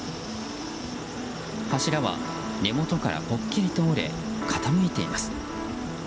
柱は根元からぽっきりと折れ傾いています。